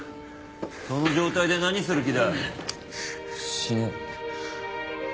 その状態で何する気だ？死ね。